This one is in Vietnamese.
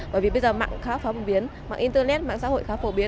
bởi vì bây giờ mạng khá phổ biến mạng internet mạng xã hội khá phổ biến